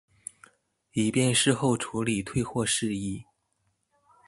以便事後處理退貨事宜